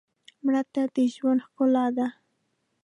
مړه ته د ژوند ښکلا ده